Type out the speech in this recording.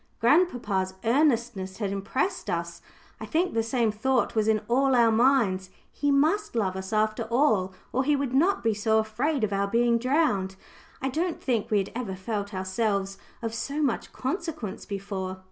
Grandpapa's earnestness had impressed us. I think the same thought was in all our minds: "He must love us, after all, or he would not be so afraid of our being drowned." I don't think we had ever felt ourselves of so much consequence before.